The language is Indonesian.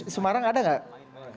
semarang ada gak